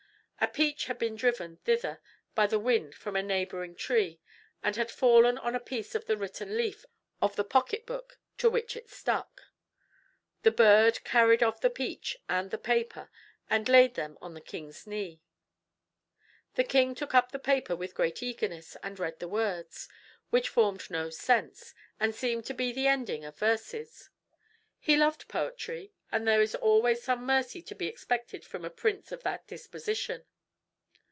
A peach had been driven thither by the wind from a neighboring tree, and had fallen on a piece of the written leaf of the pocketbook to which it stuck. The bird carried off the peach and the paper and laid them on the king's knee. The king took up the paper with great eagerness and read the words, which formed no sense, and seemed to be the endings of verses. He loved poetry; and there is always some mercy to be expected from a prince of that disposition.